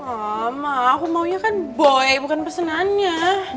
aw ma aku maunya kan boy bukan pesenannya